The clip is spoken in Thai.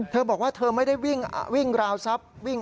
เธอบอกว่าเธอไม่ได้วิ่งราวทรัพย์